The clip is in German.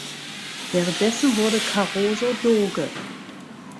Währenddessen wurde Caroso Doge.